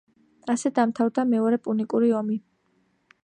ასე დამთავრდა მეორე პუნიკური ომი.